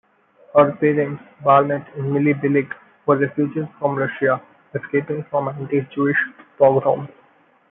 Her parents, Barnet and Millie Billig, were refugees from Russia, escaping from anti-Jewish pogroms.